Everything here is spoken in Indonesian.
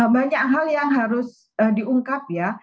banyak hal yang harus diungkap ya